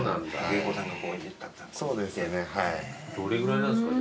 どれぐらいなんですか？